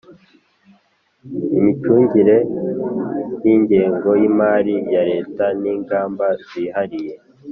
imicungire y'ingengo y'imali ya leta n'ingamba zihariye